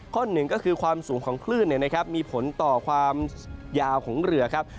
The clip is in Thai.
หนึ่งก็คือความสูงของคลื่นมีผลต่อความยาวของเรือครับ